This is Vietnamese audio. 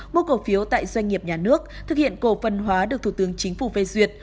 mua cổ phiếu tại doanh nghiệp nhà nước thực hiện cổ phân hóa được thủ tướng chính phủ phê duyệt